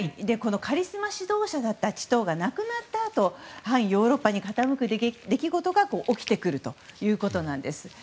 カリスマ指導者だったチトーが亡くなったあとヨーロッパに傾く出来事が起きてくるということなんです。